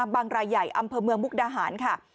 รายใหญ่อำเภอเมืองมุกดาหารค่ะ